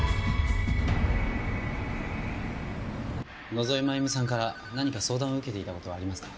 野添真由美さんから何か相談を受けていた事はありますか？